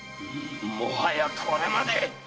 もはやこれまで！